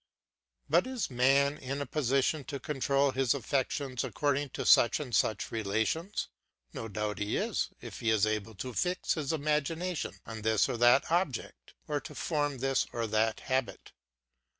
But is man in a position to control his affections according to such and such relations? No doubt he is, if he is able to fix his imagination on this or that object, or to form this or that habit.